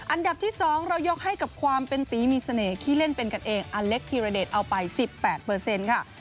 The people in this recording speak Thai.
อันดับที่๒เรายกให้กับความเป็นตีมีเสน่หี้เล่นเป็นกันเองอเล็กธิรเดชเอาไป๑๘ค่ะ